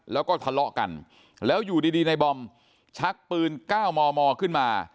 แล้วก็ทะเลาะกันแล้วอยู่ดีในบอมชักปืน๙มมขึ้นมา